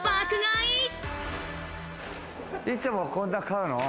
いつもこんな買うの？